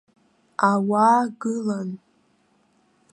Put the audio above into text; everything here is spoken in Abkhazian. Ауаа гылан.